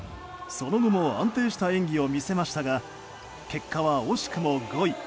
その後も安定した演技を見せましたが結果は惜しくも５位。